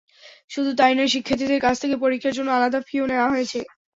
শুধু তা-ই নয়, শিক্ষার্থীদের কাছ থেকে পরীক্ষার জন্য আলাদা ফিও নেওয়া হয়েছে।